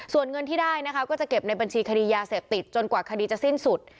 ส่วนเงินที่ได้นะคะก็จะเก็บในบัญชีคดียาเสพติดจนกว่าคดีจะสิ้นสุด